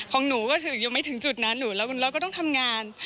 ของหนูก็ถึงยังไม่ถึงจุดนั้นเราก็ต้องทำงาน